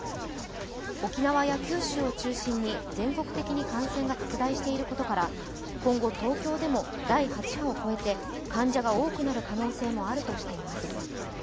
沖縄や九州を中心に全国的に感染が拡大していることから今後、東京でも第８波を超えて患者が多くなる可能性もあるとしています。